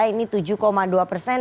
ini tujuh dua persen